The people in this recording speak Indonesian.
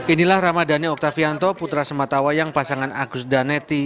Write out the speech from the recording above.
inilah ramadhani oktavianto putra sematawa yang pasangan agus daneti